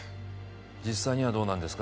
実際にはどうなんですか？